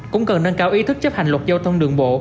cũng cần nâng cao ý thức chấp hành luật giao thông đường bộ